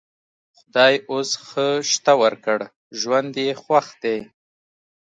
خدای اوس ښه شته ورکړ؛ ژوند یې خوښ دی.